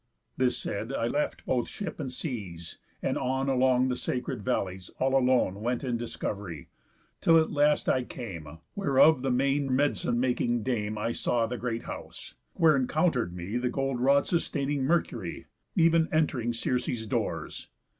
This said, I left both ship and seas, and on Along the sacred valleys all alone Went in discov'ry, till at last I came Where of the main med'cine making Dame I saw the great house; where encounter'd me The golden rod sustaining Mercury, Ev'n ent'ring Circe's doors.